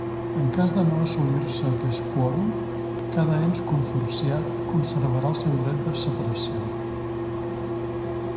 En cas de no assolir-se aquest quòrum, cada ens consorciat conservarà el seu dret de separació.